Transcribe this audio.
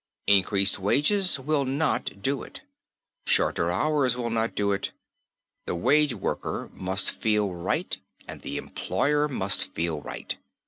Increased wages will not do it. Shorter hours will not do it. The wage worker must feel right and the employer must feel right.